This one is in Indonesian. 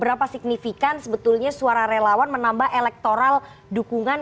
seberapa signifikan sebetulnya suara relawan menambah elektoral dukungan